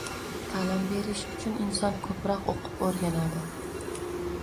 Taʼlim berish uchun inson ko‘proq o‘qib-o‘rganadi